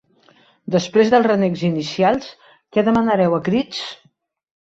Després dels renecs inicials, què demanareu a crits?